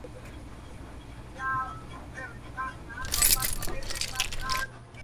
Es un pastel de calabaza o boniato horneado con piñones y azúcar.